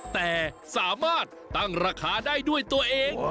แต่สามารถตั้งราคาได้ด้วยตัวเอง